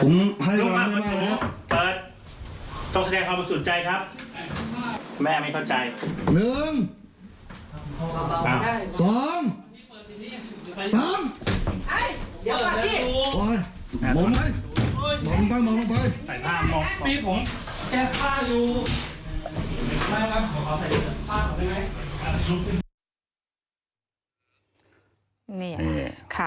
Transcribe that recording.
นี่ค่ะ